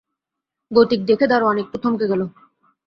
গতিক দেখে দরোয়ান একটু থমকে গেল।